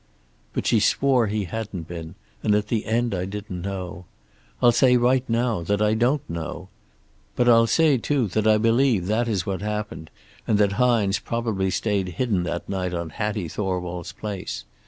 "But she swore he hadn't been, and at the end I didn't know. I'll say right now that I don't know. But I'll say, too, that I believe that is what happened, and that Hines probably stayed hidden that night on Hattie Thorwald's place.